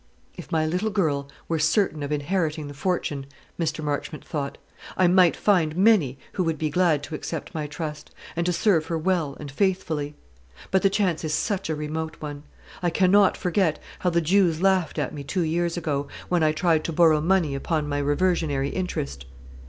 "If my little girl were certain of inheriting the fortune," Mr. Marchmont thought, "I might find many who would be glad to accept my trust, and to serve her well and faithfully. But the chance is such a remote one. I cannot forget how the Jews laughed at me two years ago, when I tried to borrow money upon my reversionary interest.